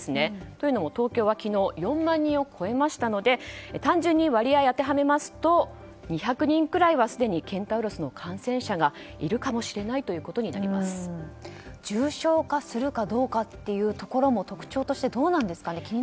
というのも東京は昨日、４万人を超えましたので単純に割合を当てはめますと２００人くらいはすでにケンタウロスの感染者がいるかもしれない重症化するかどうかというところも特徴としてどうなんですかね。